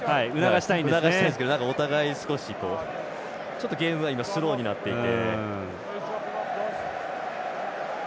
促したいんですけどお互いゲームがスローになっていて。